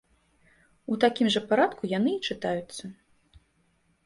У такім жа парадку яны і чытаюцца.